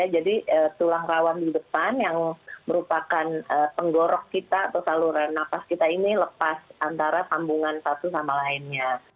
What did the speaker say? jadi tulang rawan di depan yang merupakan penggorok kita atau saluran napas kita ini lepas antara sambungan satu sama lainnya